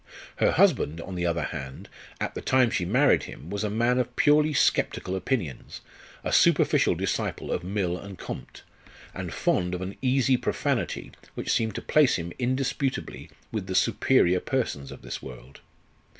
Her husband, on the other hand, at the time she married him was a man of purely sceptical opinions, a superficial disciple of Mill and Comte, and fond of an easy profanity which seemed to place him indisputably with the superior persons of this world.